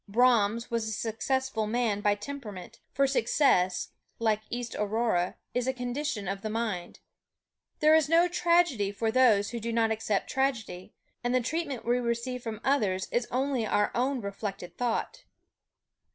Brahms was a successful man by temperament, for success (like East Aurora) is a condition of mind. There is no tragedy for those who do not accept tragedy; and the treatment we receive from others is only our own reflected thought.